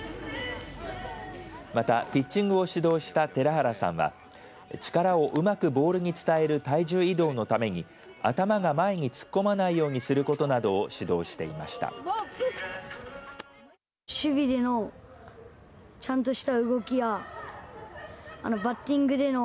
またピッチングを指導した寺原さんは力をうまくボールに伝える体重移動のために頭が前に突っ込まないようにすることなどを指導していました。